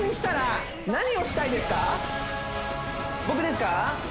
僕ですか？